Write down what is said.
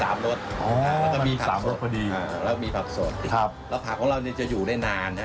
แล้วก็มีผักสดแล้วก็มีผักสดครับแล้วผักของเราจะอยู่ได้นาน